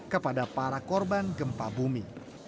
kepada para korban gempa bumi